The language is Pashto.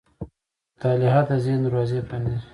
مطالعه د ذهن دروازې پرانیزي.